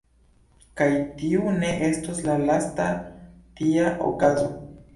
Kaj tiu ne estos la lasta tia okazo.